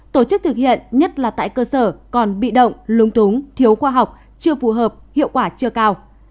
tổ chức thực hiện nhất là tại cơ sở còn bị động lúng túng thiếu khoa học chưa phù hợp hiệu quả chưa cao